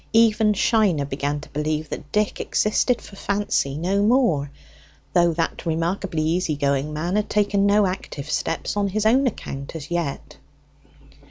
Even Shiner began to believe that Dick existed for Fancy no more, though that remarkably easy going man had taken no active steps on his own account as yet.